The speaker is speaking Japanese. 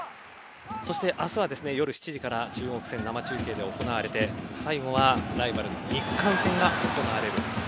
そして、明日は夜７時から中国戦、生中継で行われて最後はライバルの日韓戦が行われる。